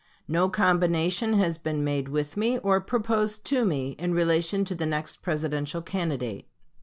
No combination has been made with me, or proposed to me, in relation to the next Presidential candidate.